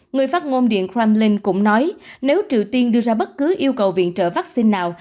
người phát ngôn điện kremlin cũng nói nếu triều tiên đưa ra bất cứ yêu cầu viện trợ vaccine nào